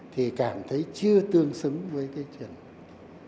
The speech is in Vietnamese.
thì cảm thấy chưa tương xứng với cái truyền thống